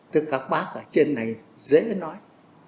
tất cả các bác ở trên này dễ nói